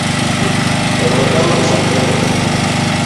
El retablo de san Pedro.